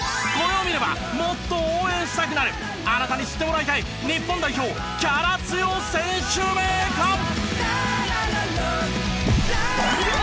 これを見ればもっと応援したくなるあなたに知ってもらいたい日本代表キャラ強選手名鑑！